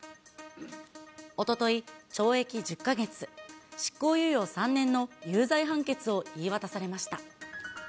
おととい、懲役１０か月、執行猶予３年の有罪判決を言い渡されました。